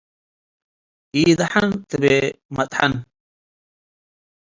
“ኢደሐን” ትቤ መጥሐን።